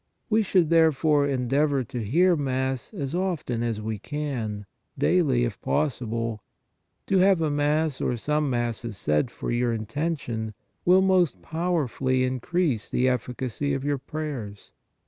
We should, therefore, endeavor to hear Mass as often as we can, daily, if possible. To have a Mass or some Masses said for your intention will most powerfully increase the efficacy of your prayers.